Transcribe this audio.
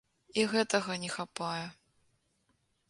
І гэтага не хапае.